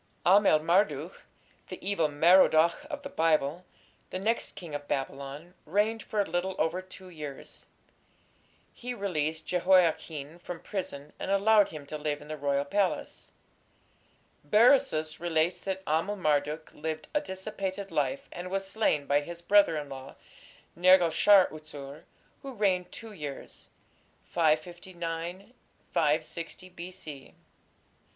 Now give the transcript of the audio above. Amel Marduk, the "Evil Merodach" of the Bible, the next king of Babylon, reigned for a little over two years. He released Jehoiachin from prison, and allowed him to live in the royal palace. Berosus relates that Amel Marduk lived a dissipated life, and was slain by his brother in law, Nergal shar utsur, who reigned two years (559 6 B.C.).